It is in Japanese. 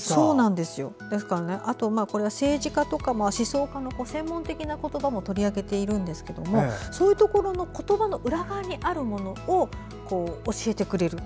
あとは政治家とか思想家の専門的な言葉も取り上げているんですがそういうところの言葉の裏側にあるものを教えてくれる。